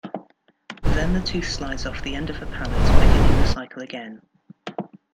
Then the tooth slides off the end of the pallet, beginning the cycle again.